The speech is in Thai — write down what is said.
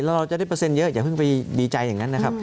แล้วเราจะได้เปอร์เซ็นต์เยอะอย่าเพิ่งไปดีใจอย่างนั้น